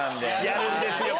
やるんですよ